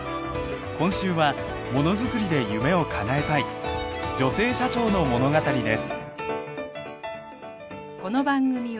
今週はもの作りで夢を叶えたい女性社長の物語です。